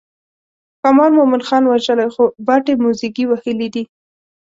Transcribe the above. ښامار مومن خان وژلی خو باټې موزیګي وهلي دي.